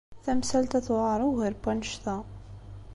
Tamsalt-a tewɛeṛ ugar n wanect-a.